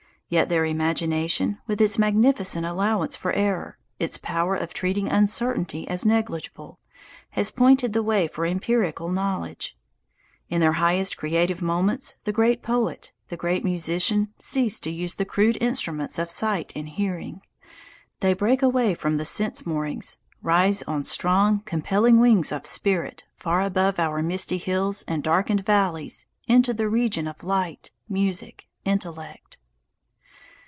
Yet their imagination, with its magnificent allowance for error, its power of treating uncertainty as negligible, has pointed the way for empirical knowledge. In their highest creative moments the great poet, the great musician cease to use the crude instruments of sight and hearing. They break away from their sense moorings, rise on strong, compelling wings of spirit far above our misty hills and darkened valleys into the region of light, music, intellect.